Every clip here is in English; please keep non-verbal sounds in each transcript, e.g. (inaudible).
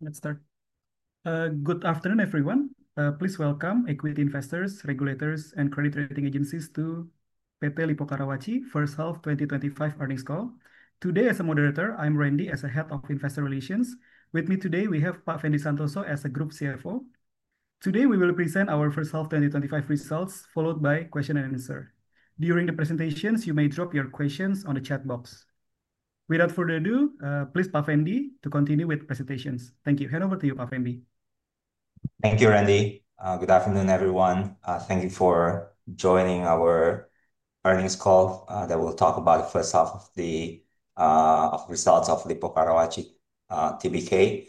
Good afternoon, everyone. Please welcome equity investors, regulators, and credit rating agencies to PT Lippo Karawaci First Half 2025 Earnings Call. Today, as a moderator, I'm Randi as the Head of Investor Relations. With me today, we have Pak Fendi Santoso as the Group CFO. Today, we will present our First Half 2025 results, followed by question-and-answer. During the presentations, you may drop your questions on the chat box. Without further ado, please Pak Fendi to continue with the presentations. Thank you. Hand over to you, Pak Fendi. Thank you, Randi. Good afternoon, everyone. Thank you for joining our earnings call that will talk about the first half of the results of PT Lippo Karawaci Tbk.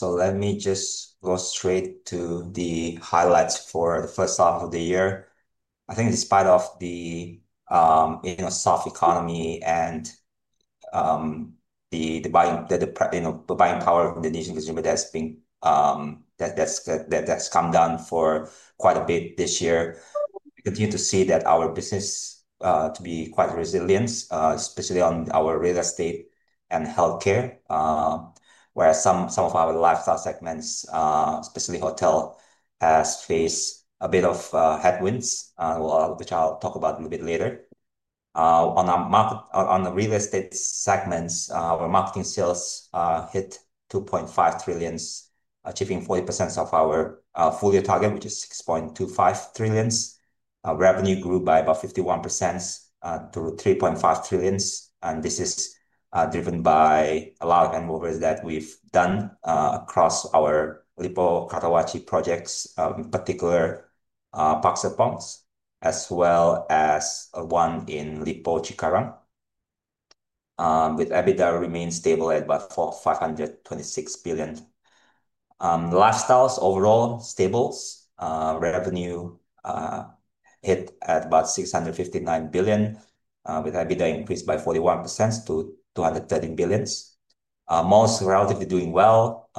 Let me just go straight to the highlights for the first half of the year. I think, despite the soft economy and the buying power from the Indonesian consumer that has come down for quite a bit this year, we continue to see our business to be quite resilient, especially on our real estate and healthcare, whereas some of our lifestyle segments, especially hotel, have faced a bit of headwinds, which I'll talk about a little bit later. On the real estate segments, our marketing sales hit 2.5 trillion, achieving 40% of our full-year target, which is 6.25 trillion. Revenue grew by about 51% to 3.5 trillion. This is driven by a lot of endeavors that we've done across our Lippo Karawaci projects, in particular, Park Serpong, as well as one in Lippo Cikarang, with EBITDA remaining stable at about 526 billion. Lifestyles overall stable. Revenue hit at about 659 billion, with EBITDA increased by 41% to 213 billion. Malls relatively doing well.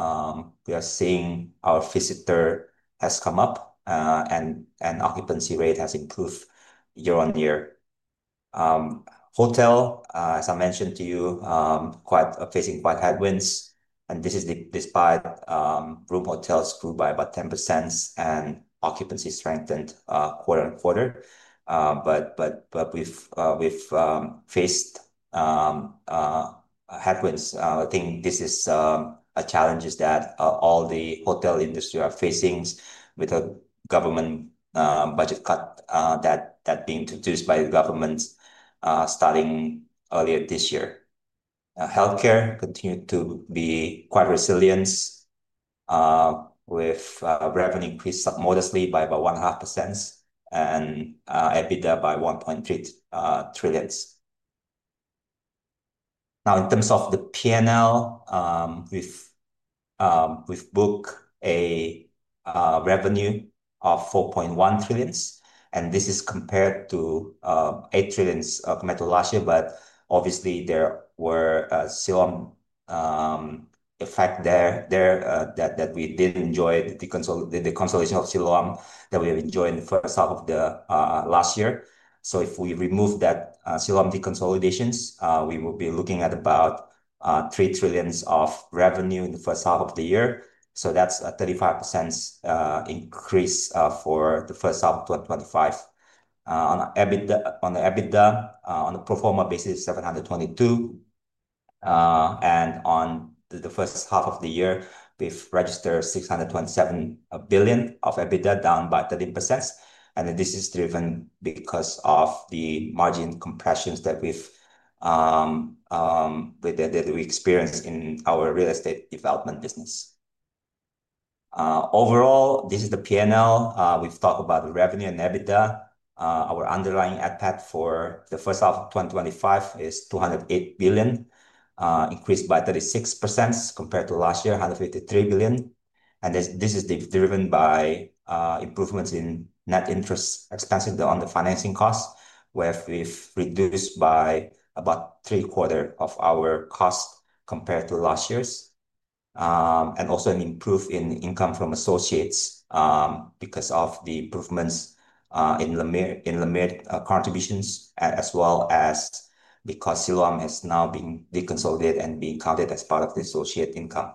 We are seeing our visitor has come up and occupancy rate has improved year on year. Hotels, as I mentioned to you, are facing quite headwinds. This is despite room hotels growing by about 10% and occupancy strengthening quarter on quarter. We've faced headwinds. I think this is a challenge that all the hotel industry is facing with the government budget cut that's being introduced by the government starting earlier this year. Healthcare continues to be quite resilient, with revenue increasing modestly by about 1.5% and EBITDA by 1.3 trillion. In terms of the P&L, we've booked a revenue of 4.1 trillion. This is compared to 8 trillion committed last year. Obviously, there was a Siloam effect there that we didn't enjoy the consolidation of Siloam that we enjoyed in the first half of last year. If we remove that Siloam deconsolidation, we will be looking at about 3 trillion of revenue in the first half of the year. That's a 35% increase for the first half of 2025. On the EBITDA, on a pro forma basis, it's 722 billion. On the first half of the year, we've registered 627 billion of EBITDA, down by 13%. This is driven because of the margin compressions that we experienced in our real estate development business. Overall, this is the P&L. We've talked about the revenue and EBITDA. Our underlying EBITDA for the first half of 2025 is 208 billion, increased by 36% compared to last year, 153 billion. This is driven by improvements in net interest expenses on the financing costs, where we've reduced by about three-quarters of our costs compared to last year. There is also an improvement in income from associates because of the improvements in Lumiere contributions, as well as because Siloam is now being deconsolidated and being counted as part of the associate income.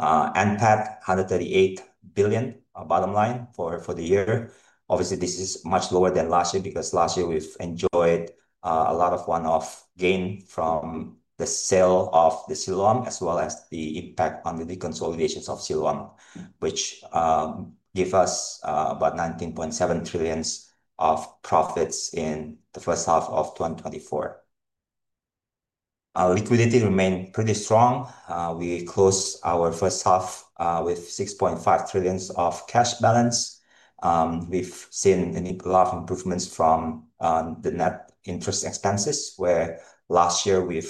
NPAT, 138 billion bottom line for the year. Obviously, this is much lower than last year because last year we've enjoyed a lot of one-off gains from the sale of the Siloam, as well as the impact on the deconsolidation of Siloam, which gave us about 19.7 trillion of profits in the first half of 2024. Liquidity remains pretty strong. We closed our first half with 6.5 trillion of cash balance. We've seen a lot of improvements from the net interest expenses, where last year we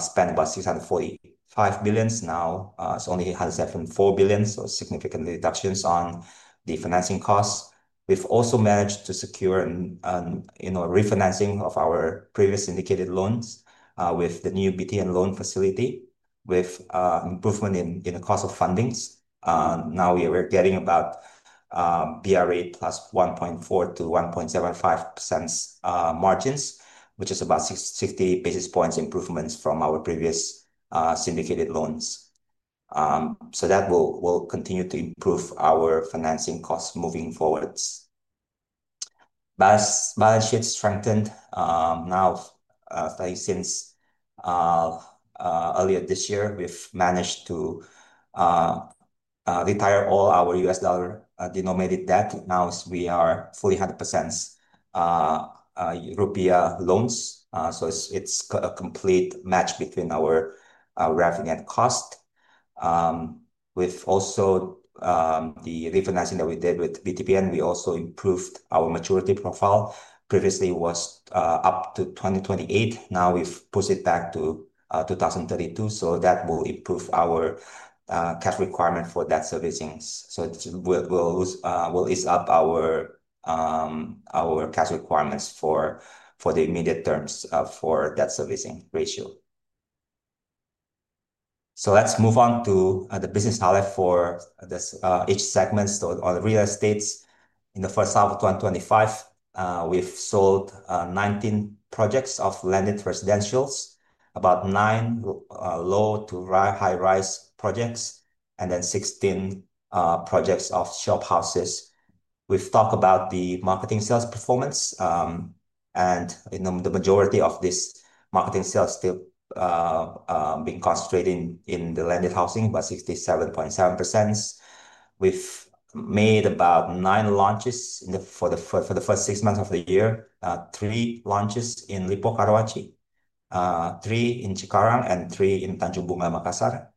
spent about 645 billion. Now, it's only 174 billion. Significant reductions on the financing costs. We've also managed to secure a refinancing of our previous syndicated loans with the new BTN loan facility, with improvement in the cost of funding. Now, we're getting about BI rate plus 1.4%-1.75% margins, which is about 60 basis points improvements from our previous syndicated loans. That will continue to improve our financing costs moving forward. Balance sheet strengthened. Since earlier this year, we've managed to retire all our U.S. dollar denominated debt. Now, we are fully 100% rupiah loans. It's a complete match between our revenue and cost. With also the refinancing that we did with BTN, we also improved our maturity profile. Previously, it was up to 2028. Now, we've pushed it back to 2032. That will improve our cash requirement for debt servicing. It will ease up our cash requirements for the immediate terms for debt servicing ratio. Let's move on to the business highlights for each segment. On the real estate, in the first half of 2025, we've sold 19 projects of landed residentials, about nine low to high rise projects, and then 16 projects of shop houses. We've talked about the marketing sales performance. The majority of this marketing sales is still being concentrated in the landed housing, about 67.7%. We've made about nine launches for the first six months of the year, three launches in Lippo Karawaci, three in Cikarang, and three in Tanjung Bunga, Makassar.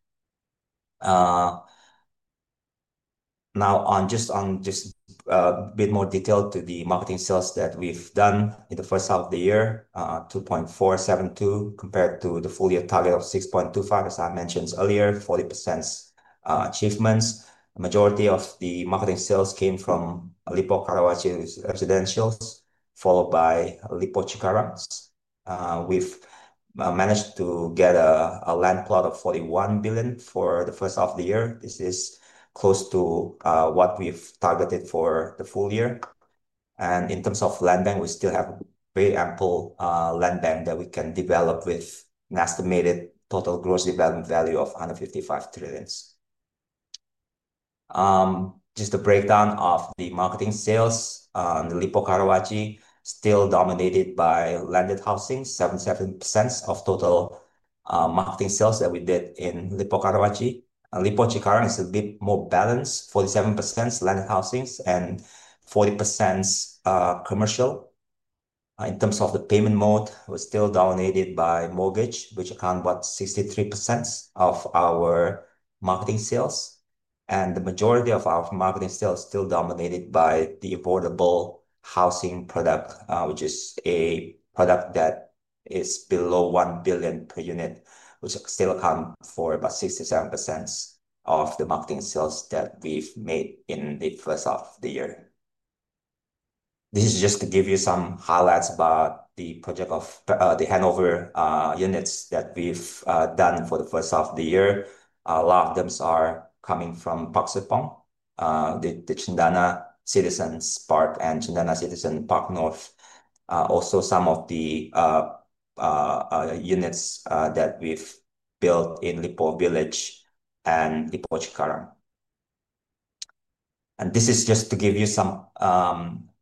Now, just a bit more detail to the marketing sales that we've done in the first half of the year, 2.47 trillion compared to the full-year target of 6.25 trillion, as I mentioned earlier, 40% achievements. The majority of the marketing sales came from Lippo Karawaci residentials, followed by Lippo Cikarang. We've managed to get a land clawed of 41 billion for the first half of the year. This is close to what we've targeted for the full year. In terms of land bank, we still have very ample land bank that we can develop with an estimated total gross development value of 155 trillion. Just a breakdown of the marketing sales, Lippo Karawaci is still dominated by landed housing, 77% of total marketing sales that we did in Lippo Karawaci. Lippo Cikarang is a bit more balanced, 47% landed housing and 40% commercial. In terms of the payment mode, we're still dominated by mortgage, which accounts for about 63% of our marketing sales. The majority of our marketing sales are still dominated by the affordable housing product, which is a product that is below 1 billion per unit, which still accounts for about 67% of the marketing sales that we've made in the first half of the year. This is just to give you some highlights about the project of the handover units that we've done for the first half of the year. A lot of them are coming from Park Serpong, the Cendana citizen park and Cendana Spark North. Also, some of the units that we've built in Lippo Village and Lippo Cikarang. This is just to give you some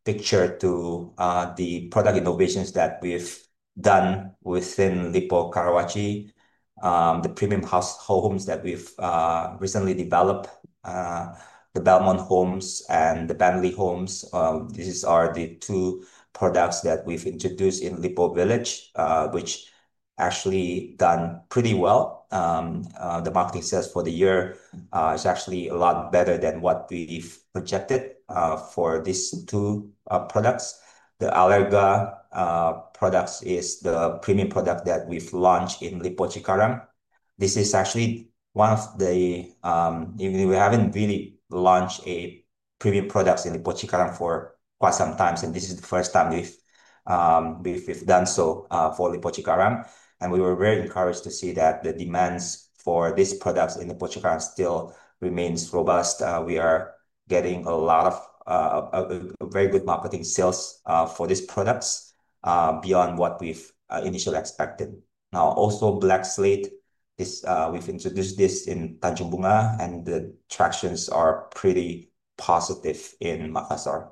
pictures of the product innovations that we've done within Lippo Karawaci. The premium household homes that we've recently developed, the Belmont Homes and the Bentley Homes, these are the two products that we've introduced in Lippo Village, which actually have done pretty well. The marketing sales for the year are actually a lot better than what we've projected for these two products. The Allegra products is the premium product that we've launched in Lippo Cikarang. This is actually one of the, we haven't really launched a premium product in Lippo Cikarang for quite some time. This is the first time we've done so for Lippo Cikarang, and we were very encouraged to see that the demand for this product in Lippo Cikarang still remains robust. We are getting a lot of very good marketing sales for this product beyond what we've initially expected. Now, also Blackslate, we've introduced this in Tanjung Bunga, and the tractions are pretty positive in Makassar.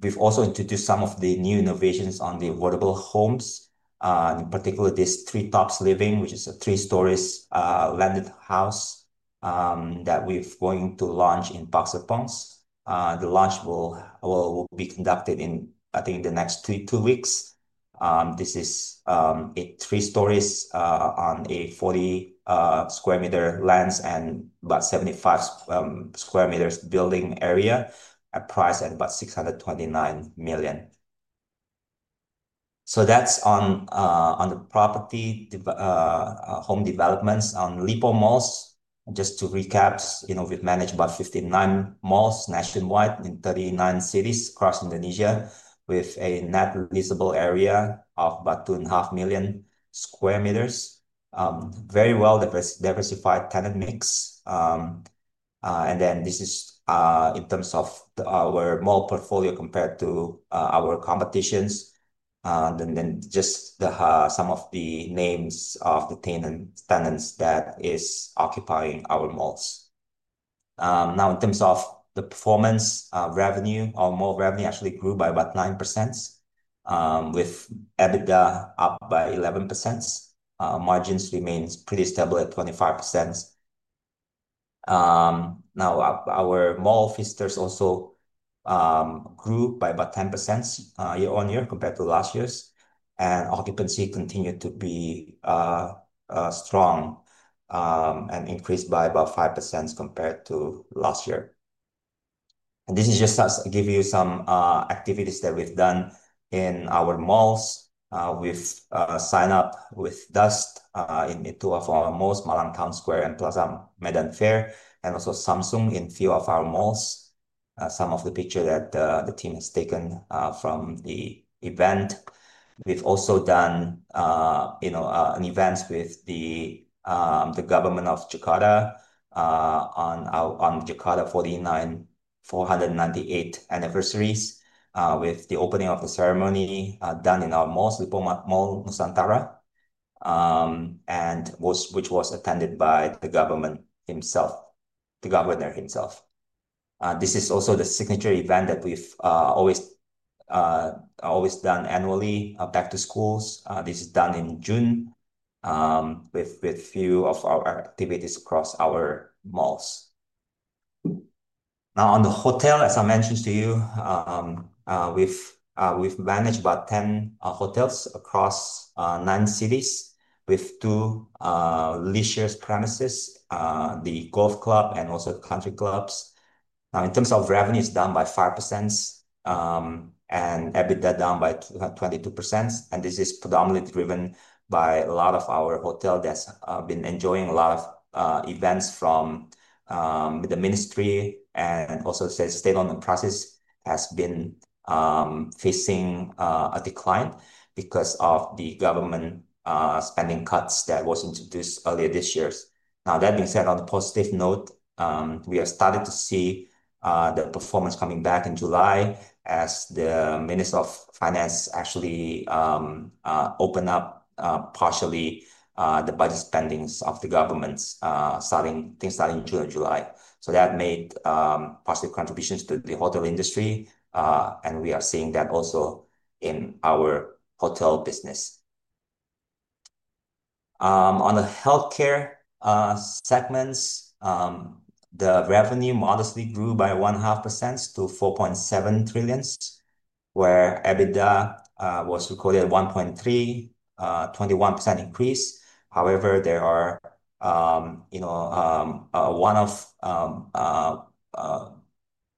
We've also introduced some of the new innovations on the affordable homes, in particular this Three Tops Living, which is a three-story landed house that we're going to launch in Park Serpong. The launch will be conducted in, I think, in the next two weeks. This is a three-story on a 40 square meter land and about 75 square meters building area, priced at about 629 million. That's on the property home developments on Lippo Malls. Just to recap, we've managed about 59 malls nationwide in 39 cities across Indonesia, with a net leasable area of about 2.5 million square meters. Very well diversified tenant mix. This is in terms of our mall portfolio compared to our competitions. Here are some of the names of the tenants that are occupying our malls. In terms of the performance, our mall revenue actually grew by about 9%, with EBITDA up by 11%. Margins remain pretty stable at 25%. Our mall visitors also grew by about 10% year on year compared to last year. Occupancy continued to be strong and increased by about 5% compared to last year. This is just to give you some activities that we've done in our malls. We've signed up with Dust in two of our malls, Malang Town Square and Plaza Medan Fair, and also Samsung in a few of our malls. Some of the pictures that the team has taken from the event. We've also done events with the government of Jakarta on Jakarta 498th Anniversary, with the opening of a ceremony done in our mall, Lippo Mall Nusantara, which was attended by the governor himself. This is also the signature event that we've always done annually, back to schools. This is done in June, with a few of our activities across our malls. On the hotel, as I mentioned to you, we've managed about 10 hotels across nine cities, with two leisure premises, the golf club, and also the country clubs. In terms of revenue, it's down by 5% and EBITDA down by 22%. This is predominantly driven by a lot of our hotels that have been enjoying a lot of events from the ministry. Also, the state of the process has been facing a decline because of the government spending cuts that were introduced earlier this year. Now, that being said, on a positive note, we are starting to see the performance coming back in July as the Minister of Finance actually opened up partially the budget spendings of the government starting in June and July. That made positive contributions to the hotel industry, and we are seeing that also in our hotel business. On the healthcare segments, the revenue modestly grew by 1.5% to 4.7 trillion, where EBITDA was recorded at 1.3 trillion, a 21% increase. However, there is one-off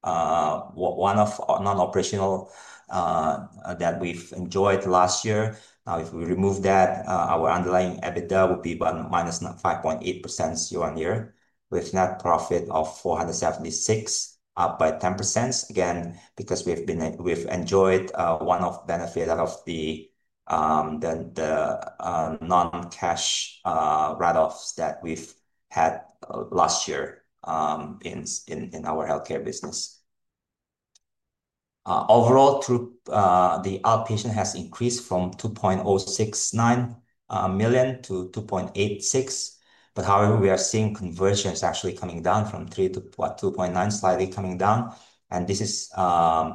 non-operational that we've enjoyed last year. If we remove that, our underlying EBITDA would be -5.8% year on year, with net profit of 476 billion, up by 10%. Again, because we've enjoyed one of the benefits of the non-cash write-offs that we've had last year in our healthcare business. Overall, the outpatient have increased from 2.069 million-2.86 million. However, we are seeing conversions actually coming down from 3 million to 2.9 million, slightly coming down. This is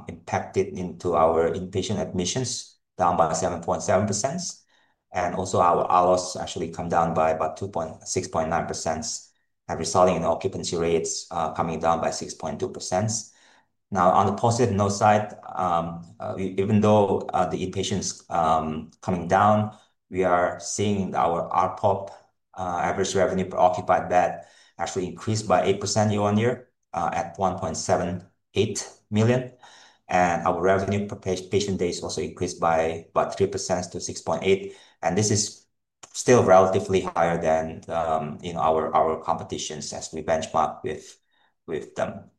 impacted into our inpatient admissions, down by 7.7%. Also, our ROI has actually come down by about 6.9%, resulting in occupancy rates coming down by 6.2%. On the positive note side, even though the inpatient is coming down, we are seeing our RPOP, average revenue per occupied bed, actually increased by 8% year on year at 1.78 million. Our revenue per patient day has also increased by about 3% to 6.8 million. This is still relatively higher than our competition as we benchmark with them.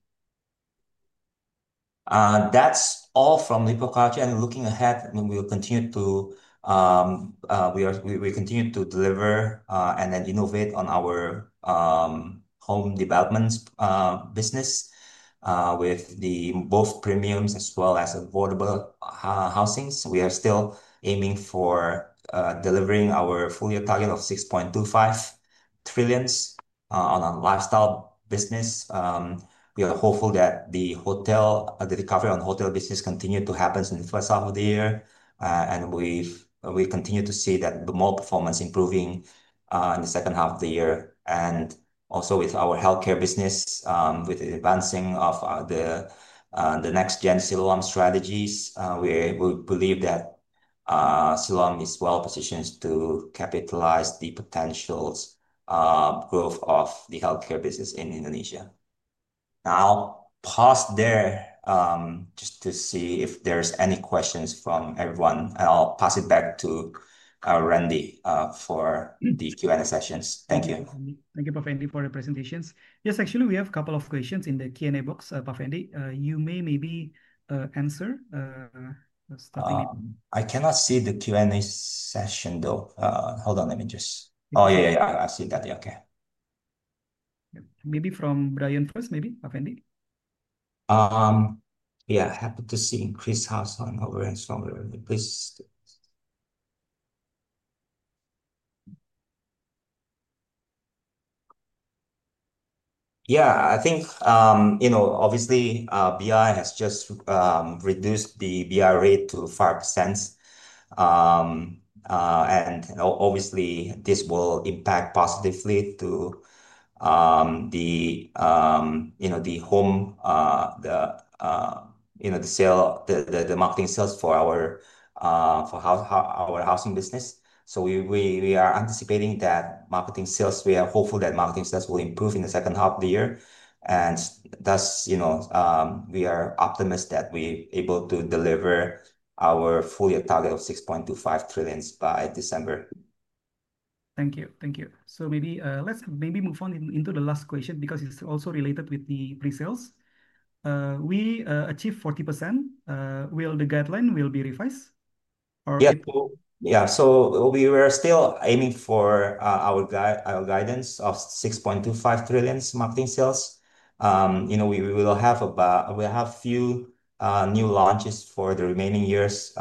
That's all from Lippo Karawaci. Looking ahead, we will continue to deliver and then innovate on our home development business with both premium as well as affordable housing. We are still aiming for delivering our full-year target of 6.25 trillion on our lifestyle business. We are hopeful that the recovery on the hotel business continues to happen in the first half of the year. We continue to see the mall performance improving in the second half of the year. Also, with our healthcare business, with the advancing of the next-gen Siloam strategies, we believe that Siloam is well positioned to capitalize the potential growth of the healthcare business in Indonesia. Now, I'll pause there just to see if there are any questions from everyone. I'll pass it back to Randi for the Q&A sessions. Thank you. Thank you, Pak Fendi, for your presentations. Yes, actually, we have a couple of questions in the Q&A box, Pak Fendi. You may answer. I cannot see the Q&A session. Hold on, let me just... Oh, yeah, yeah, yeah, I've seen that. Yeah, OK. Maybe from Brian first, Pak Fendi? Happy to see increased house on our... I think, you know, obviously, BI has just reduced the BI rate to 5%. Obviously, this will impact positively the home, the sale, the marketing sales for our housing business. We are anticipating that marketing sales, we are hopeful that marketing sales will improve in the second half of the year. Thus, you know, we are optimistic that we're able to deliver our full-year target of 6.25 trillion by December. Thank you. Thank you. Maybe let's move on into the last question because it's also related with the pre-sales. We achieved 40%. Will the guideline be revised? Yeah, we are still aiming for our guidance of 6.25 trillion marketing sales. We will have a few new launches for the remaining years.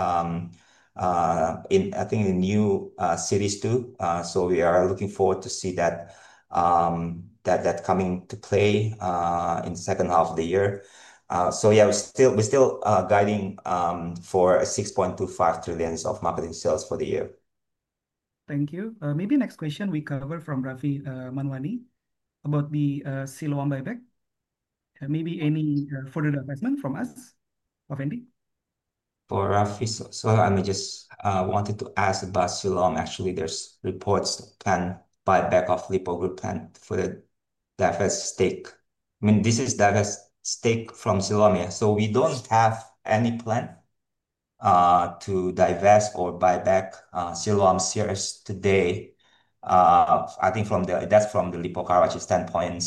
I think a new series too. We are looking forward to seeing that coming into play in the second half of the year. We're still guiding for 6.25 trillion of marketing sales for the year. Thank you. Maybe next question, we cover from Rafi Manwani about the Siloam buyback. Maybe any further investment from us, Pak Fendi? For Rafi, I just wanted to ask about Siloam. Actually, there's reports. Plan buyback of Lippo Group plan for the divest stake. I mean, this is divest stake from Siloam. We don't have any plan to divest or buyback Siloam shares today. I think that's from the Lippo Karawaci standpoint.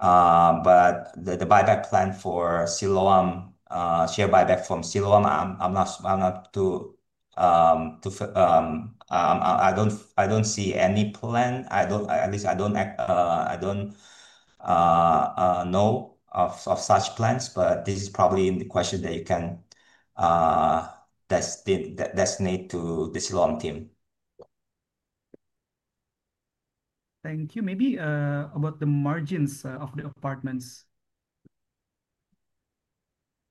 The buyback plan for Siloam share buyback from Siloam, I don't see any plan. At least I don't know of such plans. This is probably a question that you can designate to the Siloam team. Thank you. Maybe about the margins of the apartments.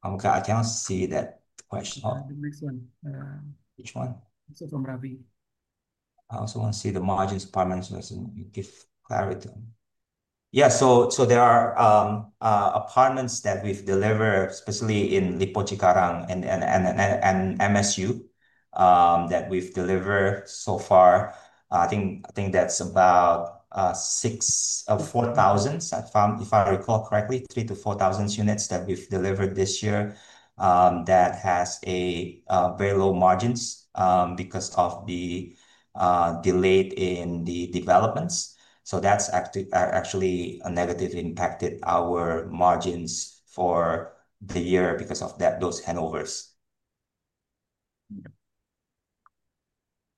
I cannot see that question. The next one. Which one? From Rafi. I also want to see the margins of apartments with clarity. There are apartments that we've delivered, especially in Lippo Cikarang and MSU that we've delivered so far. I think that's about 4,000, if I recall correctly, 3,000-4,000 units that we've delivered this year that has very low margins because of the delay in the developments. That's actually a negative impact on our margins for the year because of those handovers.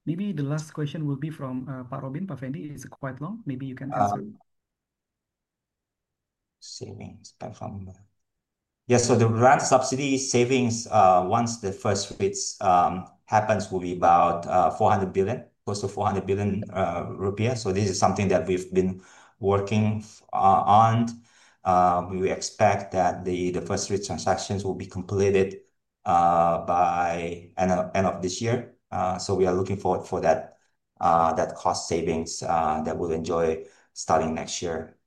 Maybe the last question will be from Pak Robin. Pak Fendi, it's quite long. Maybe you can answer. Savings by phone number. Yeah, so the rent subsidy savings, once the first bids happen, will be about 400 billion, close to 400 billion rupiah. This is something that we've been working on. We expect that the first three transactions will be completed by the end of this year. We are looking forward to that cost savings that we'll enjoy starting next year.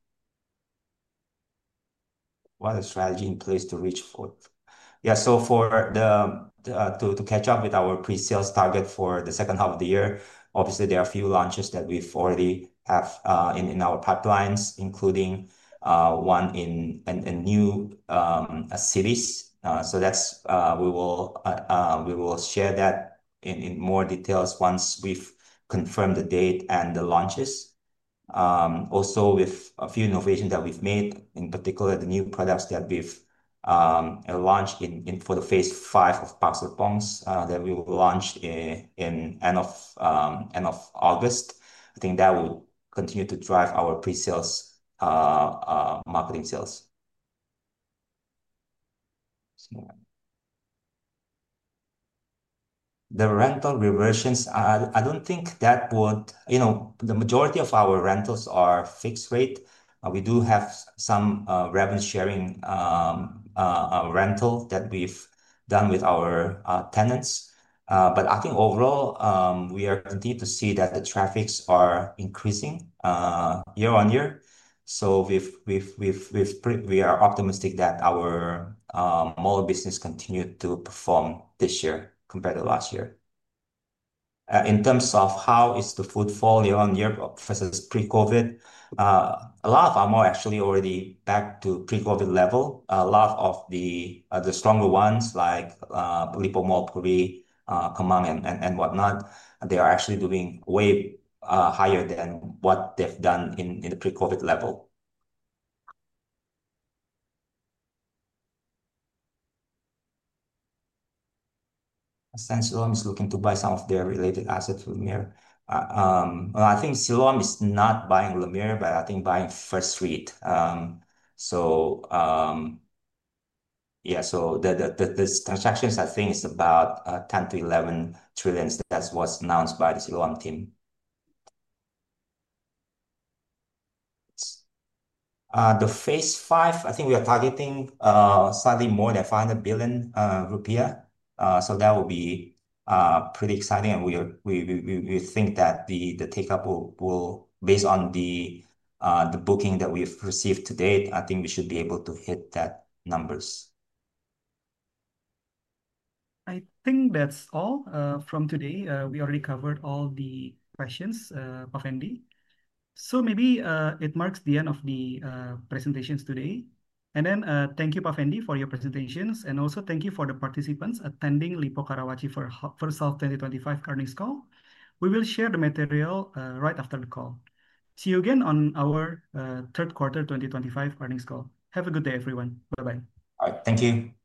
What is the strategy in place to reach forth? Yeah, so to catch up with our pre-sales target for the second half of the year, obviously, there are a few launches that we already have in our pipelines, including one in a new city. We will share that in more detail once we've confirmed the date and the launches. Also, with a few innovations that we've made, in particular the new products that we've launched for the phase five of Park Serpong that we will launch at the end of August. I think that will continue to drive our pre-sales marketing sales. The rental reversions, I don't think that would, you know, the majority of our rentals are fixed rate. We do have some revenue sharing rentals that we've done with our tenants. I think overall, we continue to see that the traffic is increasing year on year. We are optimistic that our mall business continues to perform this year compared to last year. In terms of how is the footfall year on year, (audio distortion) pre-COVID, a lot of our malls are actually already back to pre-COVID level. A lot of the stronger ones like Lippo Mall Puri, Kemang, and whatnot, they are actually doing way higher than what they've done in the pre-COVID level. I sense Siloam is looking to buy some of their related assets from Lumiere. I think Siloam is not buying Lumiere, but I think buying First Street. The transactions, I think, is about 10 trillion-11 trillion. That's what's announced by the Siloam team. The phase five, I think we are targeting slightly more than 500 billion rupiah. That will be pretty exciting. We think that the takeup will, based on the booking that we've received to date, I think we should be able to hit that number. I think that's all from today. We already covered all the questions, Pak Fendi. This marks the end of the presentations today. Thank you, Pak Fendi, for your presentations. Thank you to the participants attending Lippo Karawaci First Half 2025 Earnings Call. We will share the material right after the call. See you again on our third quarter 2025 earnings call. Have a good day, everyone. Bye-bye. Thank you. Thank you.